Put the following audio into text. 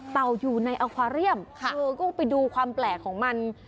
อยู่ในอัควาเรียมเธอก็ไปดูความแปลกของมัน